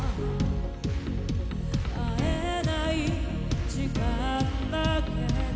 「えない時間だけが」